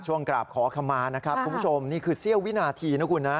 ช่วงกราบขอคำมาคุณผู้ชมนี่คือเสี้ยววินาทีนะคุณ